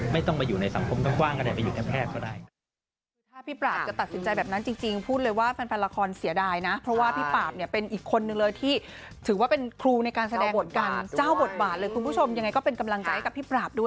ไม่ต้องไปอยู่ในสัมพงษ์ทั้งความก็ได้ไปอยู่แทบแพทย์ก็ได้